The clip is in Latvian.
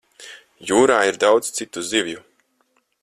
Jūrā ir daudz citu zivju.